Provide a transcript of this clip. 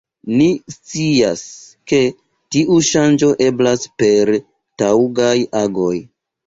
Ni scias, ke tiu ŝanĝo eblas per taŭgaj agoj.